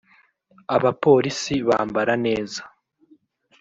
abapolisi bambara neza